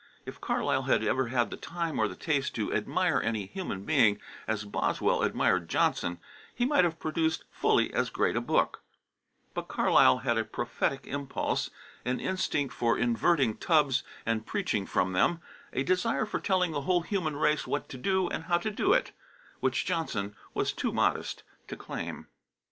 If Carlyle had ever had the time or the taste to admire any human being as Boswell admired Johnson, he might have produced fully as great a book; but Carlyle had a prophetic impulse, an instinct for inverting tubs and preaching from them, a desire for telling the whole human race what to do and how to do it, which Johnson was too modest to claim.